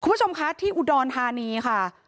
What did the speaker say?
คุณผู้ชมคะที่อุดรธานีค่ะ